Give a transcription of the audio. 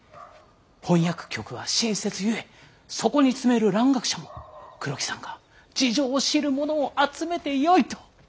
翻訳局は新設ゆえそこに詰める蘭学者も黒木さんが事情を知るものを集めてよいと。